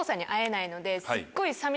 すっごい。